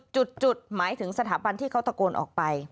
จุดหมายถึงสถาบันที่เขาตะโกนออกไป